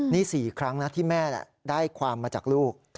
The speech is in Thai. นี่๔ครั้งนะที่แม่ได้ความมาจากลูก